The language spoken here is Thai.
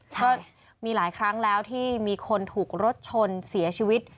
ก็มีหลายครั้งแล้วที่มีคนถูกรถชนเสียชีวิต